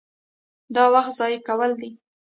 دا وخت ضایع کول دي.